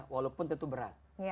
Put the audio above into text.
walaupun tentu berat